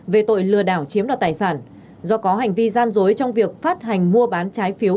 về tội lừa đảo chiếm đoạt tài sản do có hành vi gian dối trong việc phát hành mua bán trái phiếu